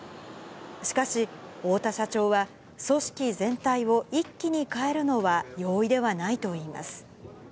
しかし、太田社長は、組織全体を一気に変えるのは容易ではないといいます。